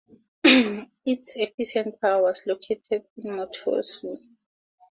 Its epicenter was located in Motosu.